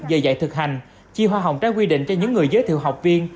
giờ dạy thực hành chi hoa hồng trái quy định cho những người giới thiệu học viên